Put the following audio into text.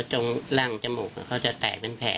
ตรงร่างจมูกเขาจะแตกเป็นแผล